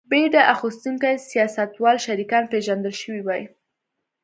بډه اخیستونکي سیاستوال شریکان پېژندل شوي وای.